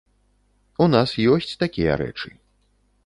У нас ёсць такія рэчы.